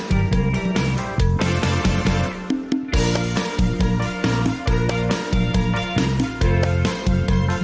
โปรดติดตามตอนต่อไป